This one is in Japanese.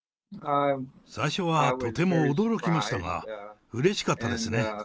最初はとても驚きましたが、うれしかったですね。